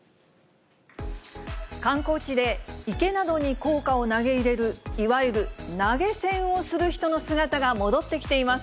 観光地で池などに硬貨を投げ入れる、いわゆる投げ銭をする人の姿が戻ってきています。